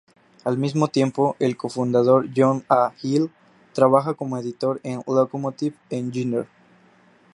Al mismo tiempo, el cofundador John A. Hill trabajaba como editor en Locomotive Engineer.